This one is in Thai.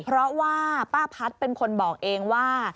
เพราะว่าป้าพัฒน์เป็นคนบอกเองว่า